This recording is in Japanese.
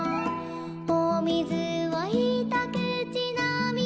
「おみずをひとくちのみました」